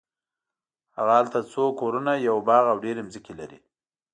هغه هلته څو کورونه یو باغ او ډېرې ځمکې لري.